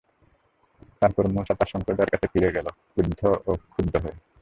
তারপর মূসা তার সম্প্রদায়ের কাছে ফিরে গেল কুদ্ধ ও ক্ষুব্ধ হয়ে।